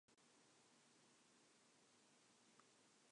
The Cowley Road area has played a prominent part in the Oxford music scene.